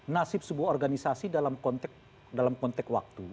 nasib sebuah organisasi dalam konteks waktu